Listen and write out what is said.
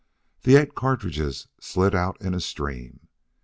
The eight cartridges slid out in a stream.